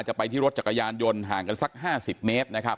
จะไปที่รถจักรยานยนต์ห่างกันสัก๕๐เมตรนะครับ